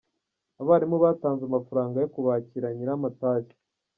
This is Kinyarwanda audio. Abarimu batanze amafaranga yo kubakira Nyiramatashya.